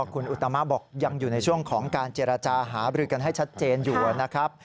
คุณอุตมะบอกยังอยู่ในช่วงของการเจรจาหาบริกันให้ชัดเจนอยู่นะครับ